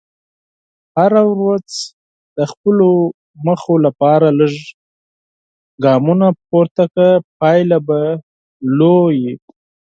هره ورځ د خپلو موخو لپاره لږ ګامونه پورته کړه، پایله به لویه وي.